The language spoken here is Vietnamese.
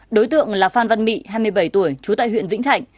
đối tượng là phan văn mị hai mươi bảy tuổi trú tại huyện vĩnh thạnh